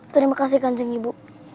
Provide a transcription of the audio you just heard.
terima kasih kanjeng ibu